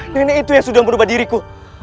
nenek itu yang sudah merubah diriku